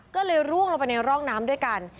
ก็เลยร่วงลงไปในร่องน้ำด้วยกัน